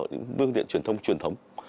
những phương tiện truyền thông truyền thống